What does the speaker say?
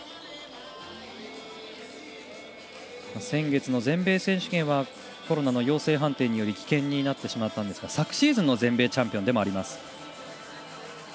先月の全米選手権はコロナの陽性判定により棄権になってしまったんですが昨シーズンの全米チャンピオンでもあります。